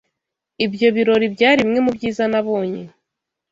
Ibyo birori byari bimwe mubyiza nabonye.